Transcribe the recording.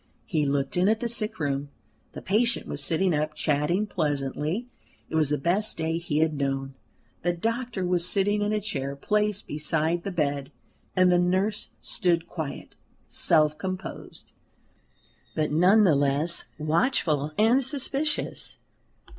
He looked in at the sick room. The patient was sitting up, chatting pleasantly; it was the best day he had known; the doctor was sitting in a chair placed beside the bed, and the nurse stood quiet, self composed, but none the less watchful and suspicious.